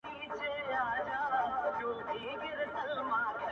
• ادب کي دا کيسه پاتې کيږي..